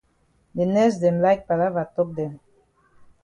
De nurse dem like palava tok dem.